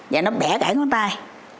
và nó bẻ cãi ngón tay